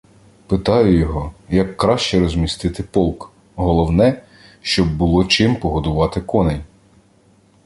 Питаю його, як краще розмістити полк, головне, щоб було чим погодувати коней.